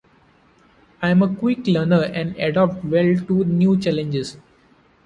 I am a quick learner and adapt well to new challenges.